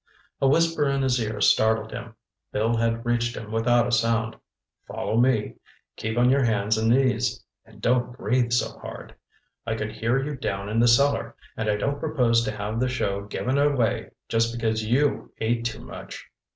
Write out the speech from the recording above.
A whisper in his ear startled him. Bill had reached him without a sound. "Follow me. Keep on your hands and knees—and don't breathe so hard. I could hear you down in the cellar, and I don't propose to have the show given away just because you ate too much!